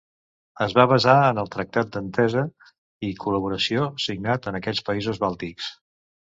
Es va basar en el Tractat d'Entesa i Col·laboració signat per aquests països bàltics.